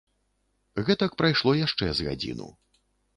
Гэтак прайшло яшчэ з гадзіну.